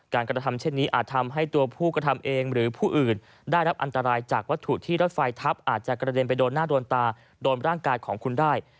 กระทำเช่นนี้อาจทำให้ตัวผู้กระทำเองหรือผู้อื่นได้รับอันตรายจากวัตถุที่รถไฟทับอาจจะกระเด็นไปโดนหน้าโดนตาโดนร่างกายของคุณได้